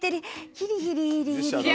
ヒリヒリヒリヒリ。